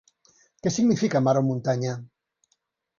Què significa, mar o muntanya?